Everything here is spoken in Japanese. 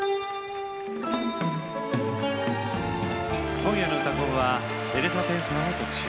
今夜の「うたコン」はテレサ・テンさんを特集。